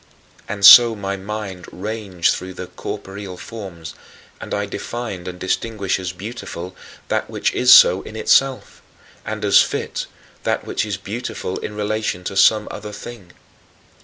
" And so my mind ranged through the corporeal forms, and I defined and distinguished as "beautiful" that which is so in itself and as "fit" that which is beautiful in relation to some other thing.